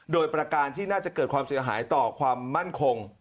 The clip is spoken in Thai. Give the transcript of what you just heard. โดยประการที่น่าจะเกิดความเสียหายต่อความมั่นคง